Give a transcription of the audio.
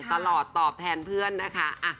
ตอบแทนเพื่อนนะคะ